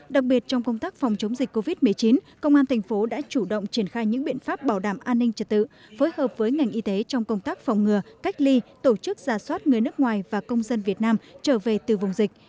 đặc biệt trong công tác phòng chống dịch covid một mươi chín công an thành phố đã chủ động triển khai những biện pháp bảo đảm an ninh trật tự phối hợp với ngành y tế trong công tác phòng ngừa cách ly tổ chức giả soát người nước ngoài và công dân việt nam trở về từ vùng dịch